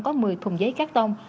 có một mươi thùng giấy cát tông